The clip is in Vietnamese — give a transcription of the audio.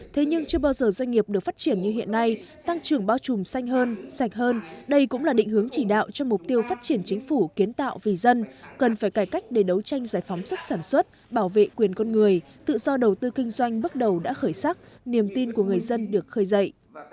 thế nhưng chưa bao giờ doanh nghiệp được phát triển như hiện nay tăng trưởng bao trùm xanh hơn sạch hơn đây cũng là định hướng chỉ đạo cho mục tiêu phát triển chính phủ kiến tạo vì dân cần phải cải cách để đấu tranh giải phóng sức sản xuất bảo vệ quyền con người tự do đầu tư kinh doanh bước đầu đã khởi sắc niềm tin của người dân được khơi dậy